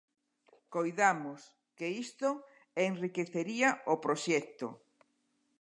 Coidamos que isto enriquecería o proxecto.